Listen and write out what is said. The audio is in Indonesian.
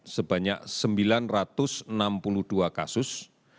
sebanyak sembilan ratus enam puluh dua kasus